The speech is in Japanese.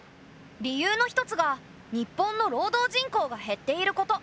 理由の一つが日本の労働人口が減っていること。